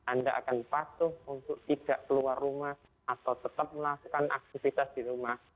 anda akan patuh untuk tidak keluar rumah atau tetap melakukan aktivitas di rumah